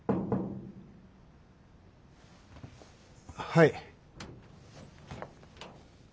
はい。